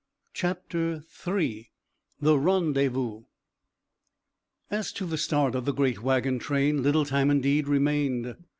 CHAPTER III THE RENDEZVOUS As to the start of the great wagon train, little time, indeed, remained.